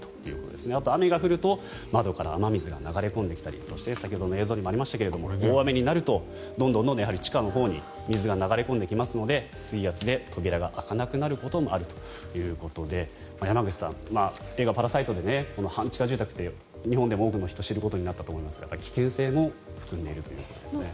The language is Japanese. あと、雨が降ると窓から雨水が流れ込んできたりそして先ほどの映像にもありましたが大雨になるとどんどん地下のほうに水が流れ込んできますので水圧で扉が開かなくなることもあるということで山口さん、映画「パラサイト」で半地下住宅って日本でも多くの人が知ることになったと思いますが危険性も含んでいるということですね。